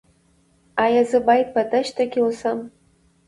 ایا زه باید په دښته کې اوسم؟